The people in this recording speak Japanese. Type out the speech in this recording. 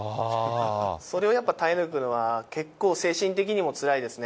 それをやっぱ耐え抜くのは、結構、精神的にもつらいですね。